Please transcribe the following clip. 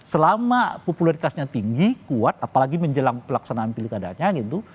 selama popularitasnya tinggi kuat apalagi menjelang pelaksanaan pilkadanya gitu